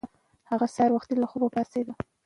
هغه سهار وختي له خوبه پاڅیده.